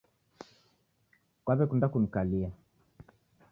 Kwawekunda kunikalia